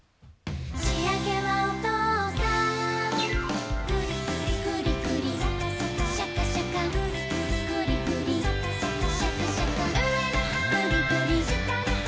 「しあげはおとうさん」「グリグリシャカシャカ」「グリグリシャカシャカ」「うえのはしたのは」